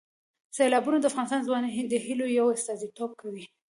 سیلابونه د افغان ځوانانو د هیلو یو استازیتوب کوي.